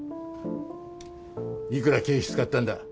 いくら経費使ったんだ？